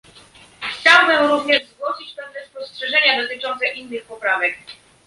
Chciałbym również zgłosić pewne spostrzeżenia dotyczące innych poprawek